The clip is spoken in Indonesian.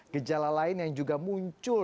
gejala lain yang juga muncul